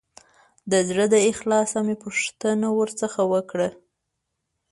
د زړه له اخلاصه مې پوښتنه ورڅخه وکړه.